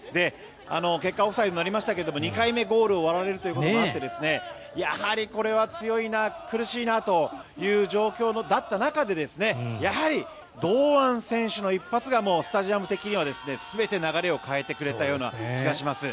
結果、オフサイドになりましたけど２回ゴールを割られるということもありましてやはりこれは強いな、苦しいなという状況だった中でやはり、堂安選手の一発がスタジアム的には全て流れを変えてくれたような気がします。